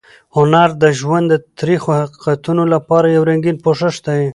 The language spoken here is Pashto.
هنر د ژوند د تریخو حقیقتونو لپاره یو رنګین پوښ دی.